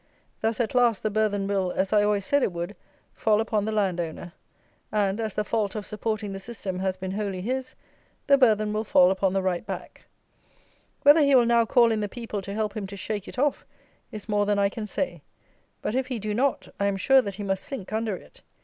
Thus, at last, the burthen will, as I always said it would, fall upon the land owner; and, as the fault of supporting the system has been wholly his, the burthen will fall upon the right back. Whether he will now call in the people to help him to shake it off is more than I can say; but, if he do not, I am sure that he must sink under it.